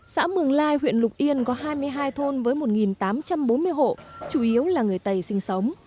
xã mường lai huyện lục yên có hai mươi hai thôn với một tám trăm bốn mươi hộ chủ yếu là người tày sinh sống